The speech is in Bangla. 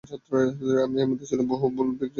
এর মধ্যে ছিল বহু ভুল ও বিকৃতি।